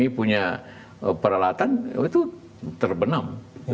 kami punya peralatan itu terbenam